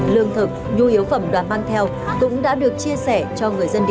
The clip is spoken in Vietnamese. lương thực nhu yếu phẩm đoàn mang theo cũng đã được chia sẻ cho người dân địa phương